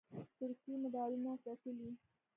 ترکیې مډالونه ګټلي